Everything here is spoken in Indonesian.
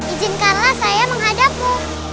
ijinkanlah saya menghadap mu